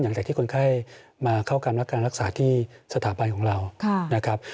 หลังจากที่คนไข้มาเข้าการรับการรักษาที่สถาบันของเรานะครับ